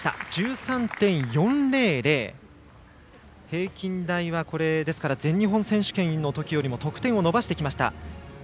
平均台は全日本選手権のときよりも得点を伸ばしてきました。